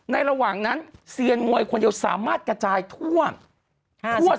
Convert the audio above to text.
ระหว่างนั้นเซียนมวยคนเดียวสามารถกระจายทั่วทั่ว